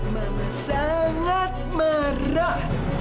mama sangat merah